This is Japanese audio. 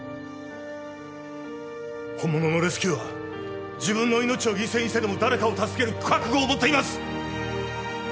本物のレスキューは自分の命を犠牲にしてでも誰かを助ける覚悟を持っています！